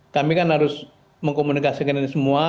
kami kan harus mengkomunikasikan ini semua